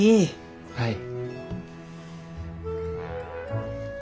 はい。